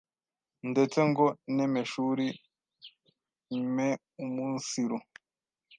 ndetse ngo n’emeshuri meumunsiru